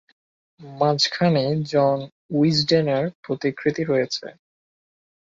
মাঝখানে জন উইজডেনের প্রতিকৃতি রয়েছে।